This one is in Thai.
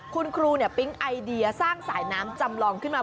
คุณครูปิ๊งไอเดียสร้างสายน้ำจำลองขึ้นมา